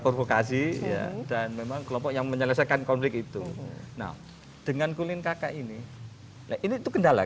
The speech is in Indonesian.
provokasi dan memang kelompok yang menyelesaikan konflik itu dengan kulin kaka ini ini tuh gendala